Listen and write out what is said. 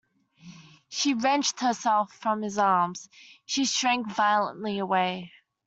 She wrenched herself from his arms, she shrank violently away.